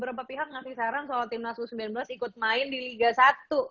beberapa pihak memberikan saran bahwa tim nasu u sembilan belas ikut main di liga satu